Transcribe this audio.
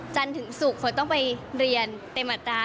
จันทร์ถึงศูกษ์ฝนต้องไปเรียนเต็มอัตรา